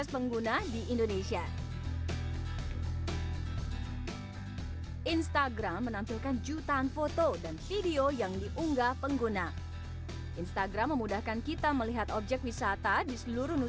saat posisi mengayun mendekat dan menjauh kita bisa bergaya untuk dipoto